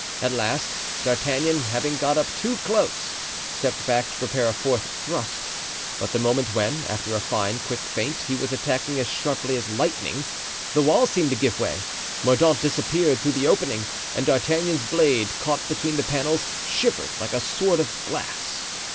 At last D'Artagnan, having got up too close, stepped back to prepare a fourth thrust, but the moment when, after a fine, quick feint, he was attacking as sharply as lightning, the wall seemed to give way, Mordaunt disappeared through the opening, and D'Artagnan's blade, caught between the panels, shivered like a sword of glass.